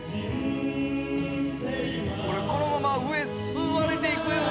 これこのまま上吸われていく